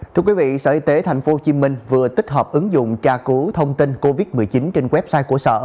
thưa quý vị sở y tế tp hcm vừa tích hợp ứng dụng tra cứu thông tin covid một mươi chín trên website của sở